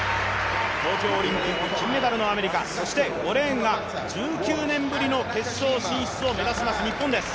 東京オリンピック金メダルのアメリカ、そして５レーンが１９年ぶりの決勝進出を目指します日本です。